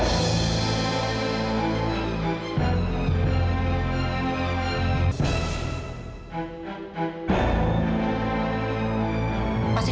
sampai jumpa lagi